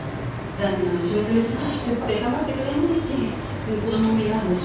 旦那は仕事忙しくて構ってくれないし子どももいないでしょ。